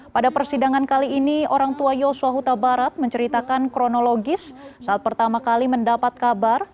pada persidangan kali ini orang tua yosua huta barat menceritakan kronologis saat pertama kali mendapat kabar